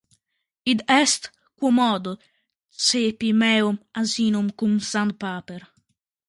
In primo luogo, la Francia come l'Inghilterra conobbero lotte intestine per il potere.